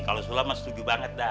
kalau sulam setuju banget dah